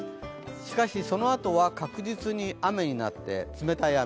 しかしそのあとは、確実に雨になって冷たい雨。